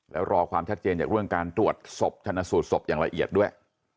แล้วรอความชัดเจนจากเรื่องการตรวจศพชนะสูตรศพอย่างละเอียดด้วย